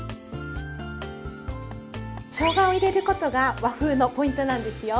しょうがを入れることが和風のポイントなんですよ。